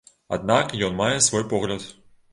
Аднак ён мае свой погляд.